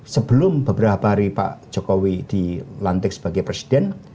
sebelum beberapa hari pak jokowi dilantik sebagai presiden